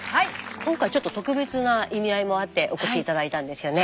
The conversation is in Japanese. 今回ちょっと特別な意味合いもあってお越し頂いたんですよね。